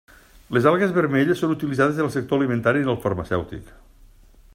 Les algues vermelles són utilitzades en el sector alimentari i en el farmacèutic.